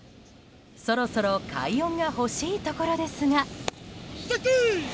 そろそろ快音がほしいところですが。